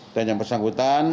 dan yang bersangkutan